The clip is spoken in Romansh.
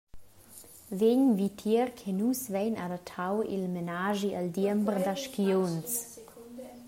Vegn vitier che nus vein adattau il menaschi al diember da skiunzs.